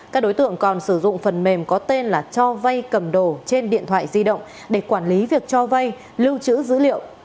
các đối tượng còn sử dụng phần mềm có tên là cho vay cầm đồ trên điện thoại di động để quản lý việc cho vay lưu trữ dữ liệu